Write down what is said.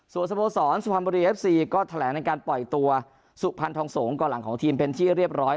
สวสมสอนสุพันธุ์บริเวฟซีก็แถลงในการปล่อยตัวสุพันธุ์ทองสงก่อนหลังของทีมเป็นที่เรียบร้อย